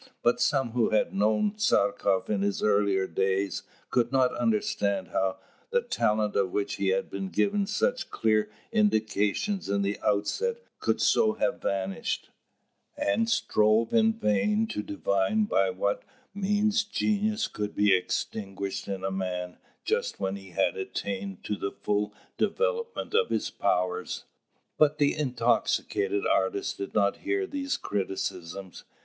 But some who had known Tchartkoff in his earlier days could not understand how the talent of which he had given such clear indications in the outset could so have vanished; and strove in vain to divine by what means genius could be extinguished in a man just when he had attained to the full development of his powers. But the intoxicated artist did not hear these criticisms.